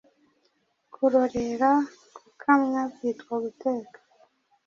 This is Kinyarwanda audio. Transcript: Kurorera gukamwa byitwa Guteka